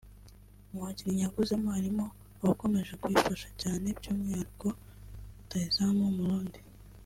Mu bakinnyi yaguze harimo abakomeje kuyifasha cyane by’umwihariko rutahizamu w’Umurundi